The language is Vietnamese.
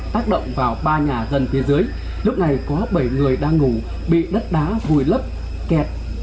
tác động vào ba nhà dân phía dưới lúc này có bảy người đang ngủ bị đất đá vùi lấp kẹt